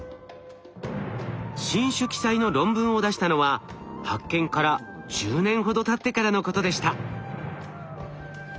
新種記載の論文を出したのは発見から１０年ほどたってからのことでした。